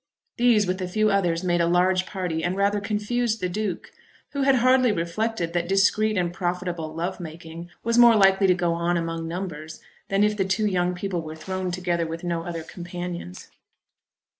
These with a few others made a large party, and rather confused the Duke, who had hardly reflected that discreet and profitable love making was more likely to go on among numbers, than if the two young people were thrown together with no other companions.